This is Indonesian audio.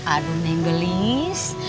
aduh neng gelis